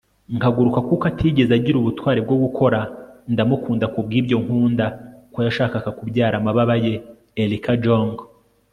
nkaguruka kuko atigeze agira ubutwari bwo gukora ndamukunda kubwibyo nkunda ko yashakaga kubyara amababa ye - erica jong